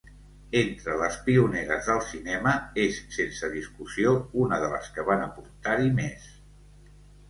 Entre les pioneres del cinema, és sense discussió una de les que van aportar-hi més.